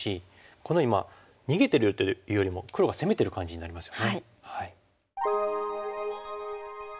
このように逃げてるというよりも黒が攻めてる感じになりますよね。